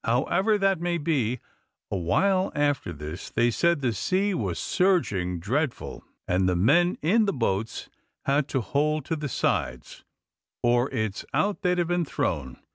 However that may be, a while after this they said the sea was surging dreadful, and the men in the boats had to hold to the sides, or it's out they'd have been thrown.